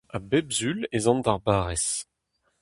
Ha bep Sul ez an d'ar barrez…